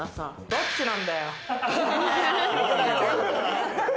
どっちなんだよ。